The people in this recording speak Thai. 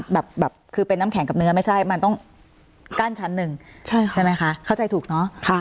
แบบคือเป็นน้ำแข็งกับเนื้อไม่ใช่มันต้องกั้นชั้นหนึ่งใช่ไหมคะเข้าใจถูกเนอะ